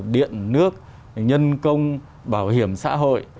điện nước nhân công bảo hiểm xã hội